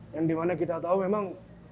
yang dimana kita tahu memang